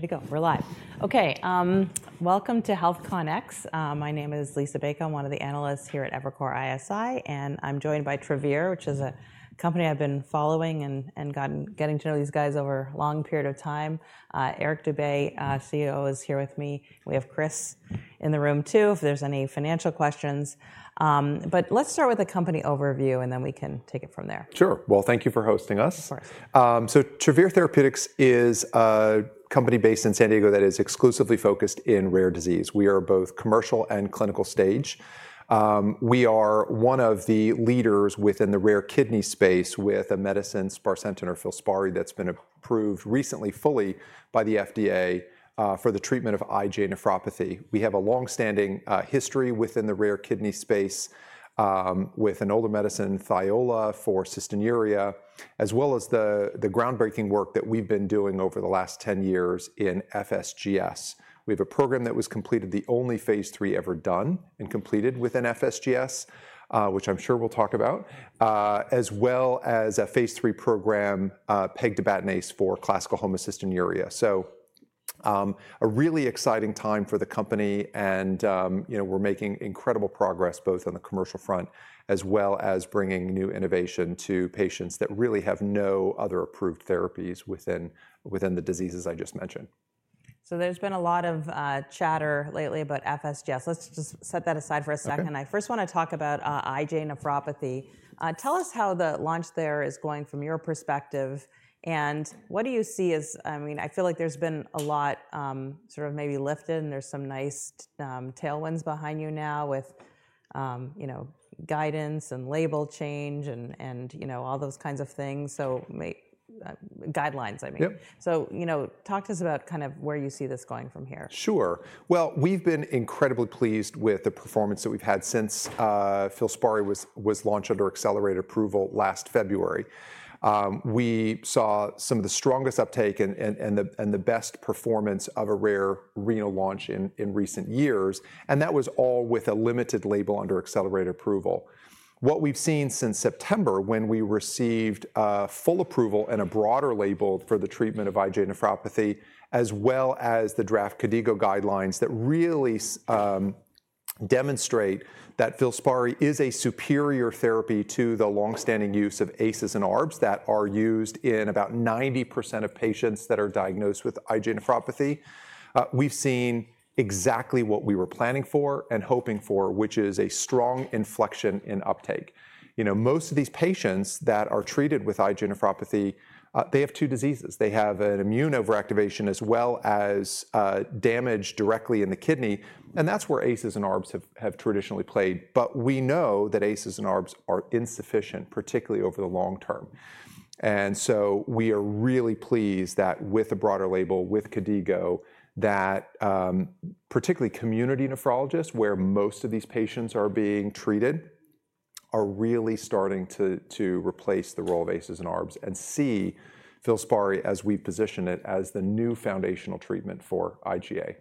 Ready to go. We're live. Okay, welcome to HealthCONx. My name is Liisa Bayko. I'm one of the analysts here at Evercore ISI, and I'm joined by Travere Therapeutics, which is a company I've been following and getting to know these guys over a long period of time. Eric Dube, CEO, is here with me. We have Chris in the room too, if there's any financial questions. But let's start with a company overview, and then we can take it from there. Sure. Well, thank you for hosting us. Of course. Travere Therapeutics is a company based in San Diego that is exclusively focused in rare disease. We are both commercial and clinical stage. We are one of the leaders within the rare kidney space with a medicine, sparsentan or Filspari, that's been approved recently fully by the FDA for the treatment of IgA nephropathy. We have a longstanding history within the rare kidney space with an older medicine, Thiola, for cystinuria, as well as the groundbreaking work that we've been doing over the last 10 years in FSGS. We have a program that was completed, the only phase III ever done and completed within FSGS, which I'm sure we'll talk about, as well as a phase III program, pegtibatinase for classical homocystinuria. So a really exciting time for the company, and we're making incredible progress both on the commercial front as well as bringing new innovation to patients that really have no other approved therapies within the diseases I just mentioned. So there's been a lot of chatter lately about FSGS. Let's just set that aside for a second. I first want to talk about IgA nephropathy. Tell us how the launch there is going from your perspective, and what do you see as, I mean, I feel like there's been a lot sort of maybe lifted, and there's some nice tailwinds behind you now with guidance and label change and all those kinds of things, so guidelines, I mean. Yep. So talk to us about kind of where you see this going from here? Sure. Well, we've been incredibly pleased with the performance that we've had since Filspari was launched under accelerated approval last February. We saw some of the strongest uptake and the best performance of a rare renal launch in recent years, and that was all with a limited label under accelerated approval. What we've seen since September, when we received full approval and a broader label for the treatment of IgA nephropathy, as well as the draft KDIGO guidelines that really demonstrate that Filspari is a superior therapy to the longstanding use of ACEs and ARBs that are used in about 90% of patients that are diagnosed with IgA nephropathy, we've seen exactly what we were planning for and hoping for, which is a strong inflection in uptake. Most of these patients that are treated with IgA nephropathy, they have two diseases. They have an immune overactivation as well as damage directly in the kidney, and that's where ACEs and ARBs have traditionally played. But we know that ACEs and ARBs are insufficient, particularly over the long term. And so we are really pleased that with a broader label with KDIGO, that particularly community nephrologists, where most of these patients are being treated, are really starting to replace the role of ACEs and ARBs and see Filspari as we've positioned it as the new foundational treatment for IgA.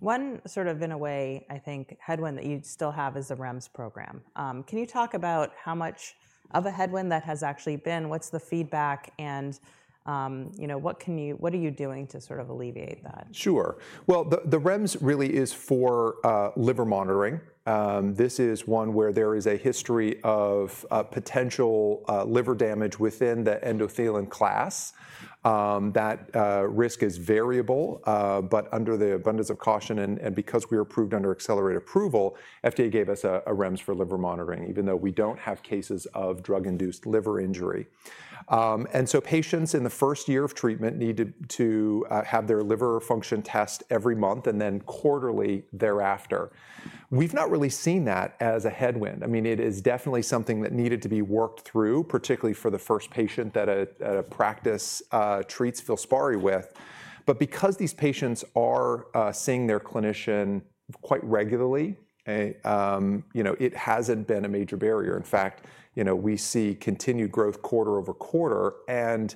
One sort of, in a way, I think headwind that you still have is the REMS program. Can you talk about how much of a headwind that has actually been? What's the feedback, and what are you doing to sort of alleviate that? Sure. Well, the REMS really is for liver monitoring. This is one where there is a history of potential liver damage within the endothelin class. That risk is variable, but under the abundance of caution, and because we were approved under accelerated approval, the FDA gave us a REMS for liver monitoring, even though we don't have cases of drug-induced liver injury. And so patients in the first year of treatment need to have their liver function test every month and then quarterly thereafter. We've not really seen that as a headwind. I mean, it is definitely something that needed to be worked through, particularly for the first patient that a practice treats Filspari with. But because these patients are seeing their clinician quite regularly, it hasn't been a major barrier. In fact, we see continued growth quarter-over-quarter and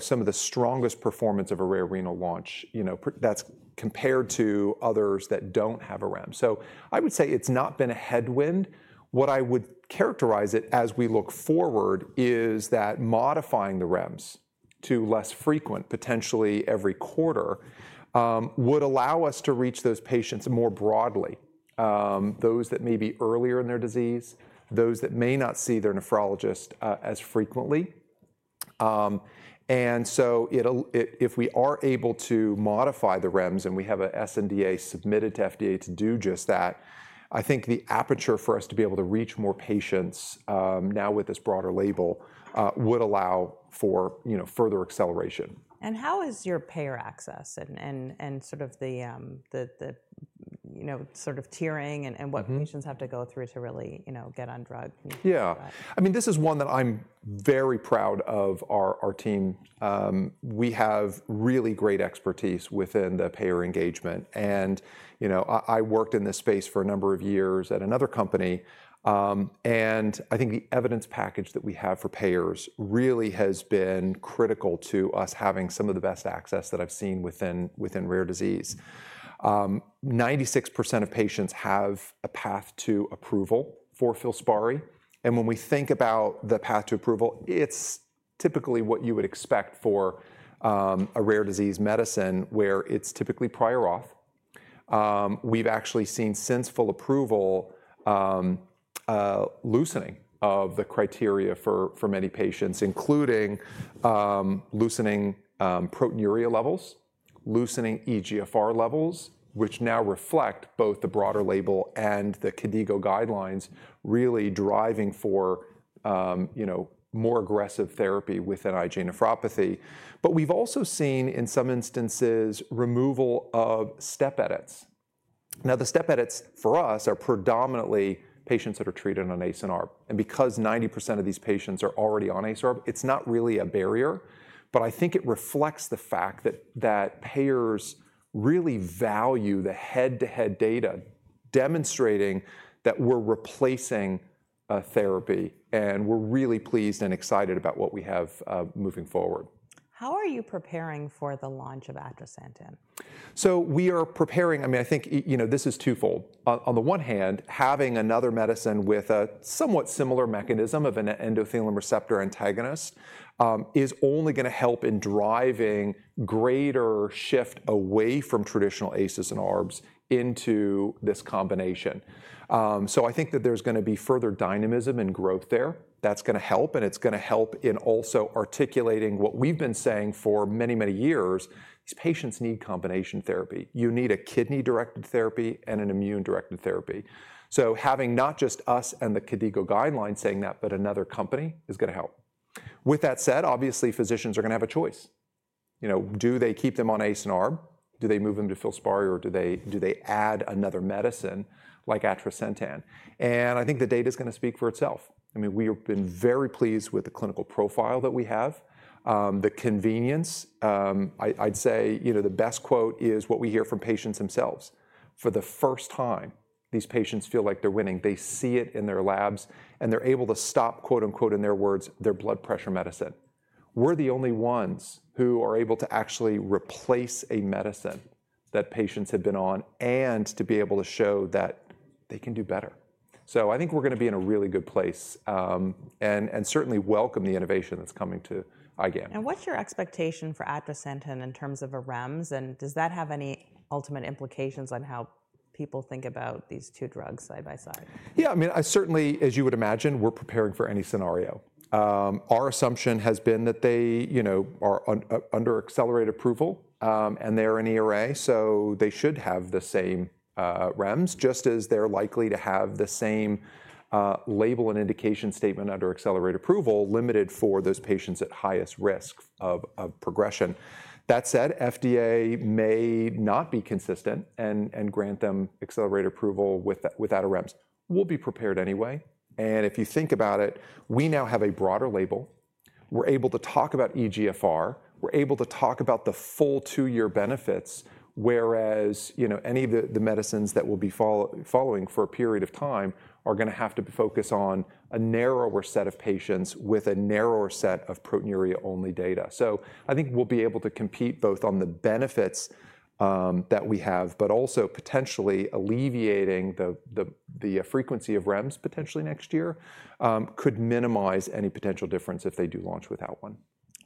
some of the strongest performance of a rare renal launch compared to others that don't have a REMS. So I would say it's not been a headwind. What I would characterize it as we look forward is that modifying the REMS to less frequent, potentially every quarter, would allow us to reach those patients more broadly, those that may be earlier in their disease, those that may not see their nephrologist as frequently. And so if we are able to modify the REMS and we have an SNDA submitted to the FDA to do just that, I think the aperture for us to be able to reach more patients now with this broader label would allow for further acceleration. How is your payer access and sort of the tiering and what patients have to go through to really get on drug? Yeah. I mean, this is one that I'm very proud of our team. We have really great expertise within the payer engagement. And I worked in this space for a number of years at another company. And I think the evidence package that we have for payers really has been critical to us having some of the best access that I've seen within rare disease. 96% of patients have a path to approval for Filspari. And when we think about the path to approval, it's typically what you would expect for a rare disease medicine where it's typically prior auth. We've actually seen since full approval loosening of the criteria for many patients, including loosening proteinuria levels, loosening eGFR levels, which now reflect both the broader label and the KDIGO guidelines, really driving for more aggressive therapy within IgA nephropathy. But we've also seen in some instances removal of step edits. Now, the step edits for us are predominantly patients that are treated on ACE and ARB. And because 90% of these patients are already on ACE and ARB, it's not really a barrier. But I think it reflects the fact that payers really value the head-to-head data demonstrating that we're replacing a therapy, and we're really pleased and excited about what we have moving forward. How are you preparing for the launch of atrasentan? So we are preparing, I mean, I think this is twofold. On the one hand, having another medicine with a somewhat similar mechanism of an endothelin receptor antagonist is only going to help in driving greater shift away from traditional ACEs and ARBs into this combination. So I think that there's going to be further dynamism and growth there. That's going to help, and it's going to help in also articulating what we've been saying for many, many years. These patients need combination therapy. You need a kidney-directed therapy and an immune-directed therapy. So having not just us and the KDIGO guidelines saying that, but another company is going to help. With that said, obviously, physicians are going to have a choice. Do they keep them on ACE and ARB? Do they move them to Filspari? Or do they add another medicine like atrasentan? And I think the data is going to speak for itself. I mean, we have been very pleased with the clinical profile that we have, the convenience. I'd say the best quote is what we hear from patients themselves. For the first time, these patients feel like they're winning. They see it in their labs, and they're able to stop, quote unquote, in their words, their blood pressure medicine. We're the only ones who are able to actually replace a medicine that patients have been on and to be able to show that they can do better. So I think we're going to be in a really good place and certainly welcome the innovation that's coming to IgAN. And what's your expectation for atrasentan in terms of a REMS? And does that have any ultimate implications on how people think about these two drugs side by side? Yeah. I mean, certainly, as you would imagine, we're preparing for any scenario. Our assumption has been that they are under accelerated approval and they are an ERA, so they should have the same REMS, just as they're likely to have the same label and indication statement under accelerated approval, limited for those patients at highest risk of progression. That said, the FDA may not be consistent and grant them accelerated approval without a REMS. We'll be prepared anyway. And if you think about it, we now have a broader label. We're able to talk about eGFR. We're able to talk about the full two-year benefits, whereas any of the medicines that will be following for a period of time are going to have to focus on a narrower set of patients with a narrower set of proteinuria-only data. So I think we'll be able to compete both on the benefits that we have, but also potentially alleviating the frequency of REMS potentially next year could minimize any potential difference if they do launch without one.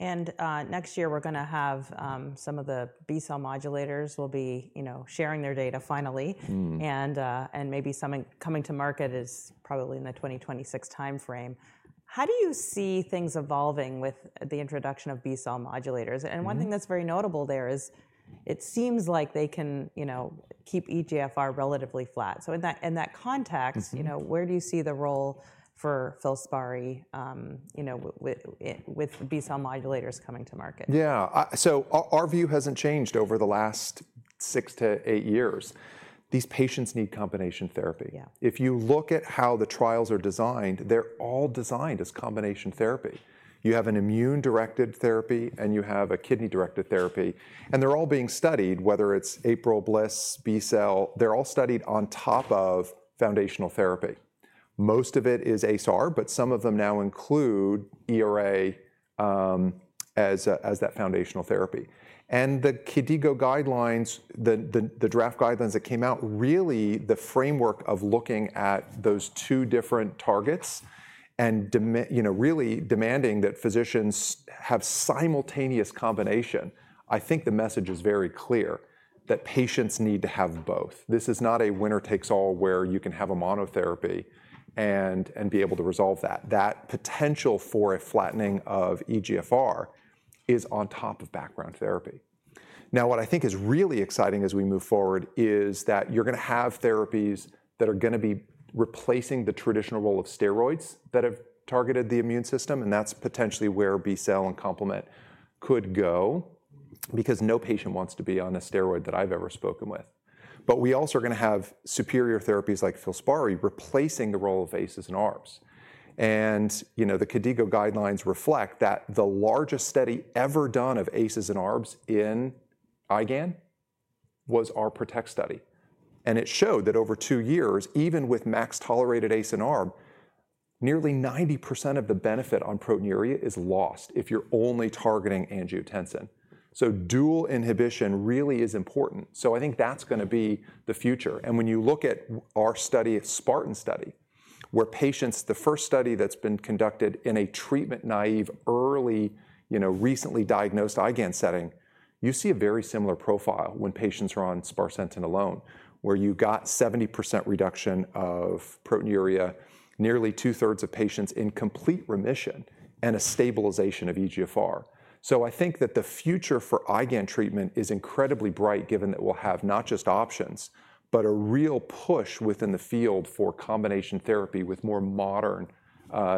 Next year, we're going to have some of the B-cell modulators sharing their data finally, and maybe coming to market is probably in the 2026 timeframe. How do you see things evolving with the introduction of B-cell modulators? One thing that's very notable there is it seems like they can keep eGFR relatively flat. In that context, where do you see the role for Filspari with B-cell modulators coming to market? Yeah. So our view hasn't changed over the last six to eight years. These patients need combination therapy. If you look at how the trials are designed, they're all designed as combination therapy. You have an immune-directed therapy, and you have a kidney-directed therapy. And they're all being studied, whether it's APRIL/BLyS, B-cell, they're all studied on top of foundational therapy. Most of it is ACE/ARB, but some of them now include ERA as that foundational therapy. And the KDIGO guidelines, the draft guidelines that came out, really the framework of looking at those two different targets and really demanding that physicians have simultaneous combination. I think the message is very clear that patients need to have both. This is not a winner takes all where you can have a monotherapy and be able to resolve that. That potential for a flattening of eGFR is on top of background therapy. Now, what I think is really exciting as we move forward is that you're going to have therapies that are going to be replacing the traditional role of steroids that have targeted the immune system, and that's potentially where B-cell and complement could go because no patient wants to be on a steroid that I've ever spoken with, but we also are going to have superior therapies like Filspari replacing the role of ACEs and ARBs. And the KDIGO guidelines reflect that the largest study ever done of ACEs and ARBs in IgAN was our PROTECT study. And it showed that over two years, even with max tolerated ACE and ARB, nearly 90% of the benefit on proteinuria is lost if you're only targeting angiotensin, so dual inhibition really is important. I think that's going to be the future. When you look at our study, SPARTAN study, where patients, the first study that's been conducted in a treatment-naive, early, recently diagnosed IgAN setting, you see a very similar profile when patients are on sparsentan alone, where you got 70% reduction of proteinuria, nearly two-thirds of patients in complete remission, and a stabilization of eGFR. I think that the future for IgAN treatment is incredibly bright, given that we'll have not just options, but a real push within the field for combination therapy with more modern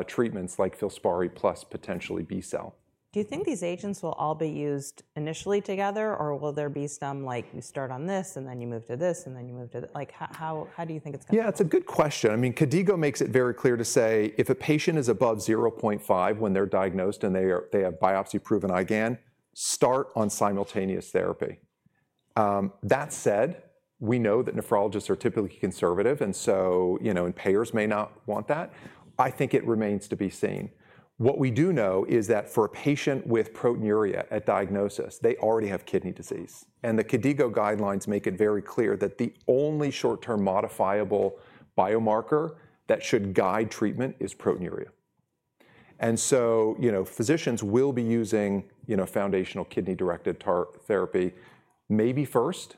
treatments like phosphory plus potentially B-cell. Do you think these agents will all be used initially together, or will there be some like you start on this and then you move to this and then you move to that? How do you think it's going to be? Yeah, it's a good question. I mean, KDIGO makes it very clear to say if a patient is above 0.5 when they're diagnosed and they have biopsy-proven IgAN, start on simultaneous therapy. That said, we know that nephrologists are typically conservative, and so payers may not want that. I think it remains to be seen. What we do know is that for a patient with proteinuria at diagnosis, they already have kidney disease, and the KDIGO guidelines make it very clear that the only short-term modifiable biomarker that should guide treatment is proteinuria, and so physicians will be using foundational kidney-directed therapy maybe first.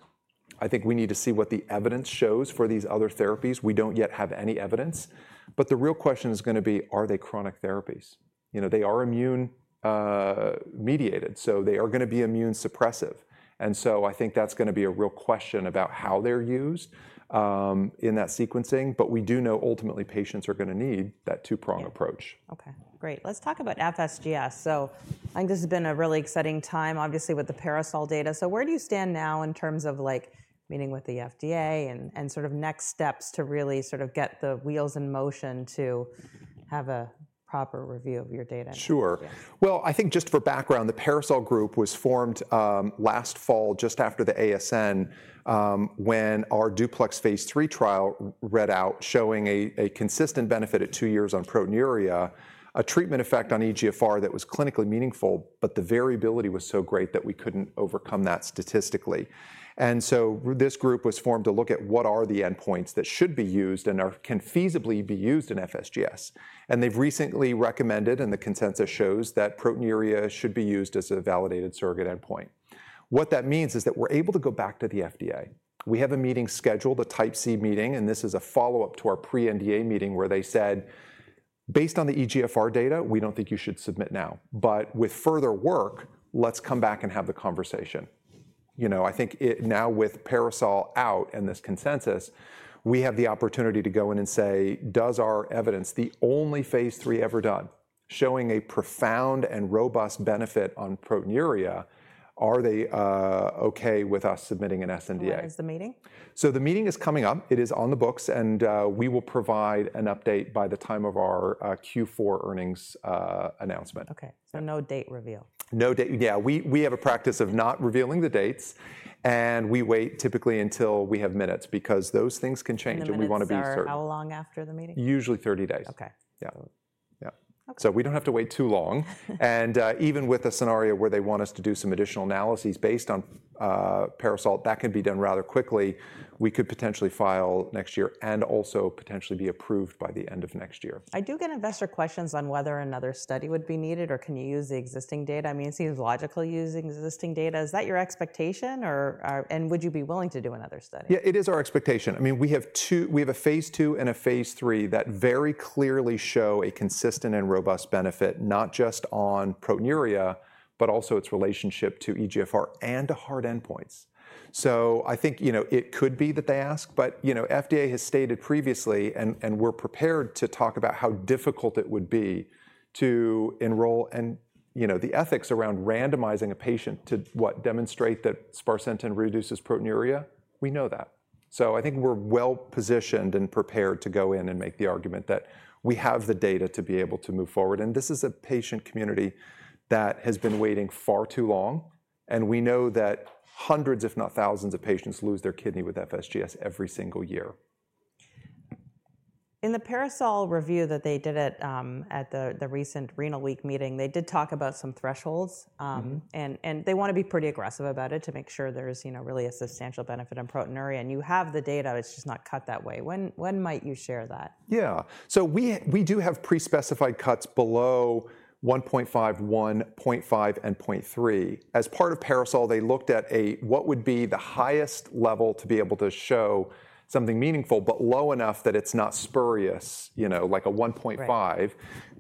I think we need to see what the evidence shows for these other therapies. We don't yet have any evidence, but the real question is going to be, are they chronic therapies? They are immune-mediated, so they are going to be immune-suppressive. And so I think that's going to be a real question about how they're used in that sequencing. But we do know ultimately patients are going to need that two-prong approach. Okay. Great. Let's talk about FSGS. So I think this has been a really exciting time, obviously, with the PARASOL data. So where do you stand now in terms of meeting with the FDA and sort of next steps to really sort of get the wheels in motion to have a proper review of your data? Sure. Well, I think just for background, the PARASOL group was formed last fall just after the ASN when our DUPLEX phase III trial read out showing a consistent benefit at two years on proteinuria, a treatment effect on eGFR that was clinically meaningful, but the variability was so great that we couldn't overcome that statistically. And so this group was formed to look at what are the endpoints that should be used and can feasibly be used in FSGS. And they've recently recommended, and the consensus shows that proteinuria should be used as a validated surrogate endpoint. What that means is that we're able to go back to the FDA. We have a meeting scheduled, a Type C meeting, and this is a follow-up to our pre-NDA meeting where they said, based on the eGFR data, we don't think you should submit now. But with further work, let's come back and have the conversation. I think now with PARASOL out and this consensus, we have the opportunity to go in and say, does our evidence, the only phase III ever done showing a profound and robust benefit on proteinuria, are they okay with us submitting an SNDA? When is the meeting? So the meeting is coming up. It is on the books. And we will provide an update by the time of our Q4 earnings announcement. Okay, so no date reveal? No date. Yeah. We have a practice of not revealing the dates, and we wait typically until we have minutes because those things can change, and we want to be certain. How long after the meeting? Usually 30 days. Okay. Yeah. So we don't have to wait too long. And even with a scenario where they want us to do some additional analyses based on PARASOL, that can be done rather quickly. We could potentially file next year and also potentially be approved by the end of next year. I do get investor questions on whether another study would be needed, or can you use the existing data? I mean, it seems logical using existing data. Is that your expectation, or would you be willing to do another study? Yeah, it is our expectation. I mean, we have a phase II and a phase III that very clearly show a consistent and robust benefit, not just on proteinuria, but also its relationship to eGFR and to hard endpoints, so I think it could be that they ask, but the FDA has stated previously, and we're prepared to talk about how difficult it would be to enroll, and the ethics around randomizing a patient to what demonstrate that sparsentan reduces proteinuria. We know that, so I think we're well positioned and prepared to go in and make the argument that we have the data to be able to move forward, and this is a patient community that has been waiting far too long, and we know that hundreds, if not thousands, of patients lose their kidney with FSGS every single year. In the PARASOL review that they did at the recent Kidney Week meeting, they did talk about some thresholds, and they want to be pretty aggressive about it to make sure there's really a substantial benefit in proteinuria, and you have the data. It's just not cut that way. When might you share that? Yeah. So we do have pre-specified cuts below 1.5, 1.5, and 0.3. As part of PARASOL, they looked at what would be the highest level to be able to show something meaningful, but low enough that it's not spurious, like a 1.5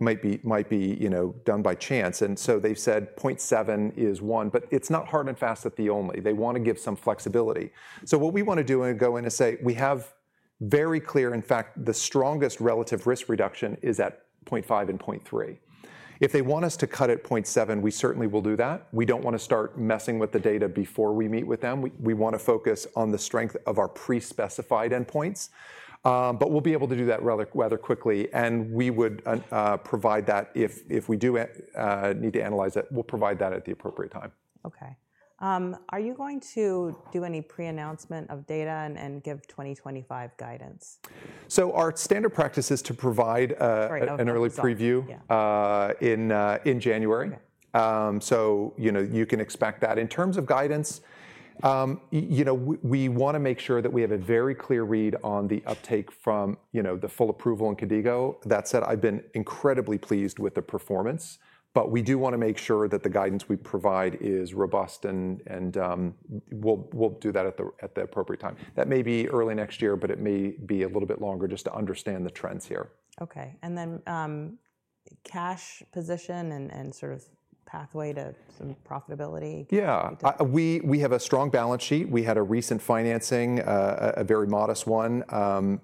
might be done by chance. And so they said 0.7 is one, but it's not hard and fast that the only. They want to give some flexibility. So what we want to do and go in and say, we have very clear, in fact, the strongest relative risk reduction is at 0.5 and 0.3. If they want us to cut at 0.7, we certainly will do that. We don't want to start messing with the data before we meet with them. We want to focus on the strength of our pre-specified endpoints. But we'll be able to do that rather quickly. We would provide that if we do need to analyze it. We'll provide that at the appropriate time. Okay. Are you going to do any pre-announcement of data and give 2025 guidance? Our standard practice is to provide an early preview in January. So you can expect that. In terms of guidance, we want to make sure that we have a very clear read on the uptake from the full approval in KDIGO. That said, I've been incredibly pleased with the performance. But we do want to make sure that the guidance we provide is robust, and we'll do that at the appropriate time. That may be early next year, but it may be a little bit longer just to understand the trends here. Okay. And then cash position and sort of pathway to some profitability? Yeah. We have a strong balance sheet. We had a recent financing, a very modest one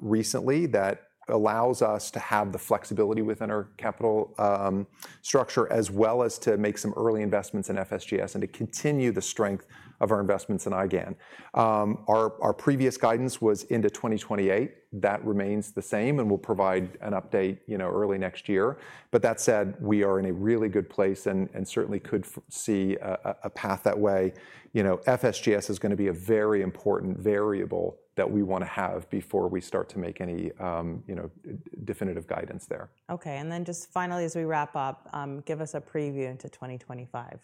recently that allows us to have the flexibility within our capital structure as well as to make some early investments in FSGS and to continue the strength of our investments in IgAN. Our previous guidance was into 2028. That remains the same, and we'll provide an update early next year. But that said, we are in a really good place and certainly could see a path that way. FSGS is going to be a very important variable that we want to have before we start to make any definitive guidance there. Okay, and then just finally, as we wrap up, give us a preview into 2025.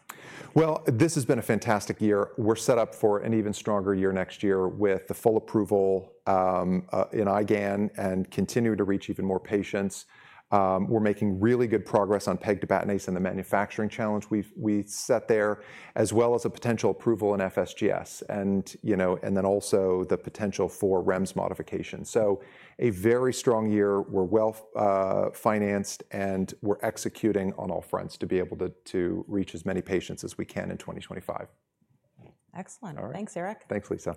This has been a fantastic year. We're set up for an even stronger year next year with the full approval in IgAN and continue to reach even more patients. We're making really good progress on pegtibatinase and the manufacturing challenge we set there, as well as a potential approval in FSGS, and then also the potential for REMS modification. So a very strong year. We're well financed, and we're executing on all fronts to be able to reach as many patients as we can in 2025. Excellent. Thanks, Eric. Thanks, Lisa.